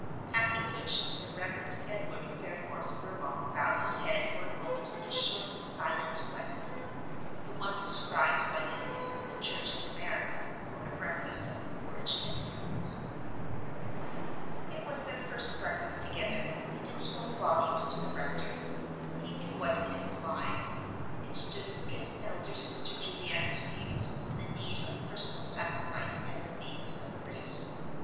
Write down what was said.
After which the Reverend Edward Fareforth Furlong bowed his head for a moment in a short, silent blessing the one prescribed by the episcopal church in America for a breakfast of porridge and prunes. It was their first breakfast together, and it spoke volumes to the rector. He knew what it implied. It stood for his elder sister Juliana's views on the need of personal sacrifice as a means of grace.